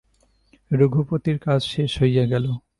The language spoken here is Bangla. রঘুপতির কাজ শেষ হইয়া গেল।